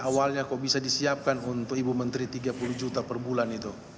awalnya kok bisa disiapkan untuk ibu menteri tiga puluh juta per bulan itu